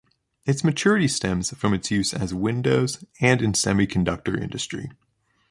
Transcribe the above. Its maturity stems from its use as windows and in semiconductor industry.